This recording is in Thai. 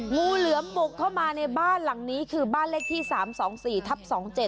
งูเหลือมบุกเข้ามาในบ้านหลังนี้คือบ้านเลขที่๓๒๔ทับ๒๗